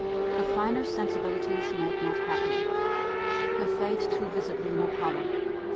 The finer sensibilities make not happy. Her fate too visibly in her power.